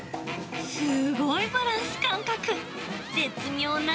すごいバランス感覚。